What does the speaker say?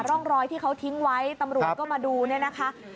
ร่องรอยที่เขาทิ้งไว้ตำรวจก็มาดูเนี่ยนะคะ